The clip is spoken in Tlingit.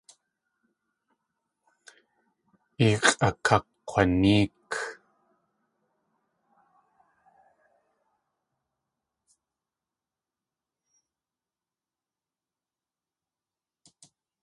Ix̲ʼakakk̲wanéek.